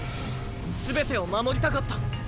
全てを守りたかった。